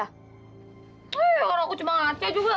eh karena aku cuma ngaca juga